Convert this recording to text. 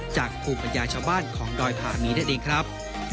จากภูมิปัญญาชาวบ้านของดอยผ่ามีได้ดินครับ